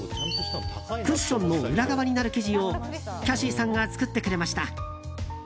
クッションの裏側になる生地をキャシーさんが作ってくれました。